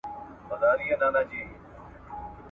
له یوه ښاخه تر بله په هوا سو